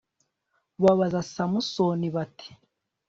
babaza samusoni, bati